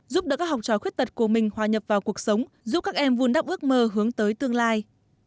giúp đỡ các học trò khuyết tật của mình hòa nhập vào cuộc sống giúp các em vun đắp ước mơ hướng tới tương lai